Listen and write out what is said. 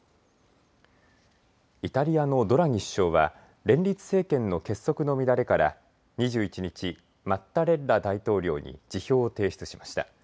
イタリアのドラギ首相は連立政権の結束の乱れから２１日、マッタレッラ大統領に辞表を提出しました。